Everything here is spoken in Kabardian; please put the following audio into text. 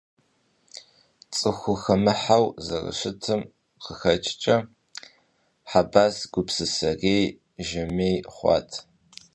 ЦӀыхухэмыхьэу зэрыщытым къыхэкӀкӀэ, Хьэбас гупсысэрей, жьэмей хъуат.